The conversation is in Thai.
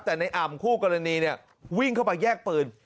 แต่ในอ่ำคู่กรณีเนี่ยวิ่งเข้าไปแยกปืน